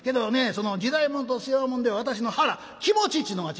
その時代物と世話物では私の腹気持ちっちゅうのが違います